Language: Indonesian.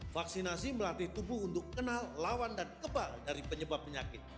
vaksinasi melatih tubuh untuk kenal lawan dan kebal dari penyebab penyakit